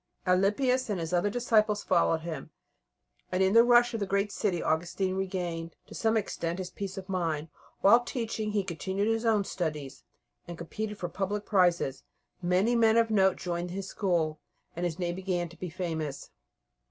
Alypius and his other disciples followed him, and in the rush of the great city Augustine regained, to some extent, his peace of mind. While teaching, he continued his own studies, and competed for the public prizes. Many men of note joined his school, and his name began to be famous.